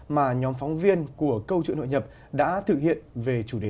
mà nhóm phóng viên của câu chuyện hội nhập đã thực hiện về chủ đề này